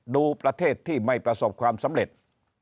ดูประเทศที่ไม่ประสบความสำเร็จ